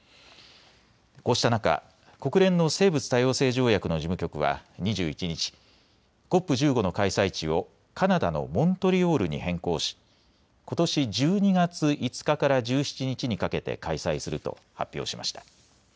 こうした中、国連の生物多様性条約の事務局は２１日、ＣＯＰ１５の開催地をカナダのモントリオールに変更しことし１２月５日から１７日にかけて開催すると発表しました。